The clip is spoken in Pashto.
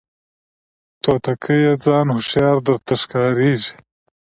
توتکیه ځان هوښیار درته ښکاریږي